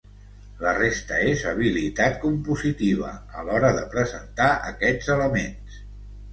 La resta és habilitat compositiva a l'hora de presentar aquests elements.